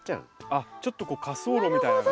あっちょっと滑走路みたいな。